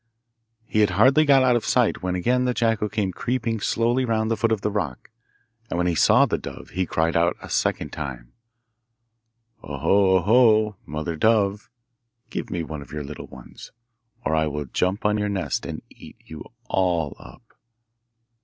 He had hardly got out of sight when again the jackal came creeping slowly round the foot of the rock. And when he saw the dove he cried out a second time, 'Ohe, ohe, mother dove! give me one of your little ones, or I will jump on your nest and eat you all up.